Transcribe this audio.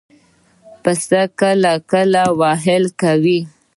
پسه کله کله واهه کوي.